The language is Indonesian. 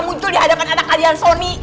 muncul di hadapan anak kalian sony